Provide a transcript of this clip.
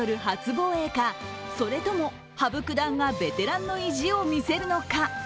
防衛か、それとも羽生九段がベテランの意地を見せるのか。